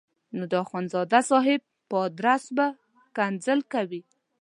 نو د اخندزاده صاحب په ادرس به ښکنځل کوي.